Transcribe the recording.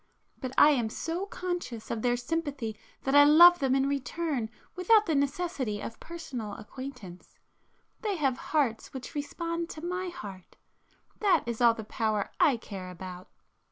But I am so conscious of their sympathy that I love them in return without the necessity of personal acquaintance. They have hearts which respond to my heart,—that is all the power I care about."